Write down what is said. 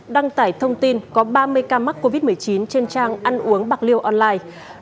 đăng tải thông tin có ba mươi ca mắc covid một mươi chín trên trang ăn uống bạc liêu online